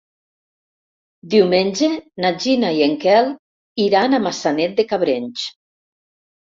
Diumenge na Gina i en Quel iran a Maçanet de Cabrenys.